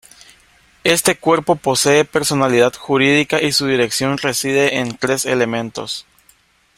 Este cuerpo posee personalidad jurídica y su dirección reside en tres elementos.